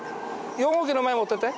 ４号機の前持っていって。